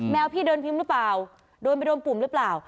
พี่เดินพิมพ์หรือเปล่าโดนไปโดนปุ่มหรือเปล่า